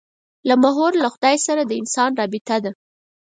دا محور له خدای سره د انسان رابطه ده.